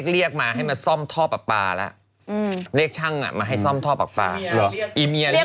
เล่นไม่เท่าไหร่